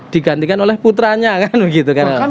digantikan oleh putranya kan begitu kan